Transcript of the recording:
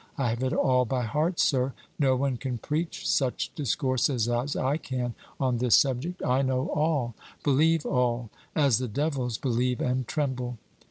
I have it all by heart, sir; no one can preach such discourses as I can on this subject: I know all believe all as the devils believe and tremble."